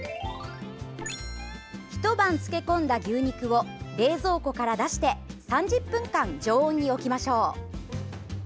ひと晩漬け込んだ牛肉を冷蔵庫から出して３０分間、常温に置きましょう。